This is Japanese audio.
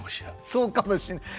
そうかもしれない。